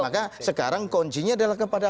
maka sekarang kuncinya adalah kepada